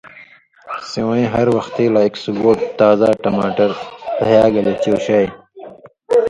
سِوَیں ہر وختی لا ایک سُگو تازا ٹماٹر دھیاگلے چُوݜیائ۔